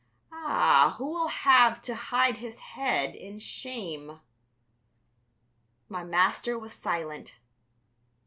Ah, who will have to hide his head in shame?" My master was silent.